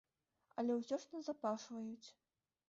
Але ўсё ж назапашваюць.